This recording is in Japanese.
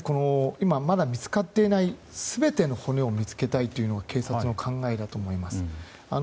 まだ見つかっていない全ての骨を見つけたいというのが警察の考えだと思います。